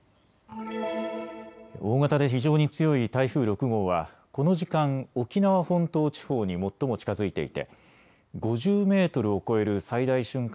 大型で非常に強い台風６号はこの時間、沖縄本島地方に最も近づいていて５０メートルを超える最大瞬間